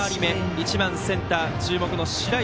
１番センター、注目の白石。